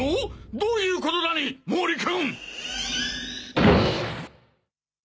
どういうことだね毛利君！